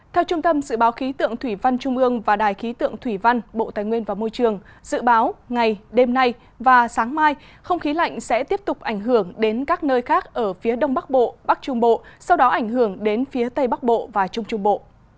theo trung tâm dự báo khí tượng thủy văn trung ương và đài khí tượng thủy văn bộ tài nguyên và môi trường dự báo ngày đêm nay và sáng mai không khí lạnh sẽ tiếp tục ảnh hưởng đến các nơi khác ở phía đông bắc bộ bắc trung bộ sau đó ảnh hưởng đến phía tây bắc bộ và trung trung bộ